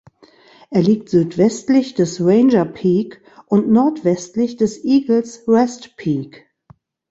Er liegt südwestlich des Ranger Peak und nordwestlich des Eagles Rest Peak.